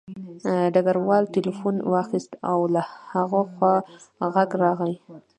ډګروال تیلیفون واخیست او له هغه خوا غږ راغی